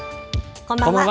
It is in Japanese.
こんばんは。